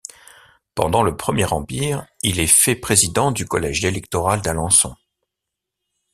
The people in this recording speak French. Pendant le Premier Empire, il est fait président du collège électoral d'Alençon.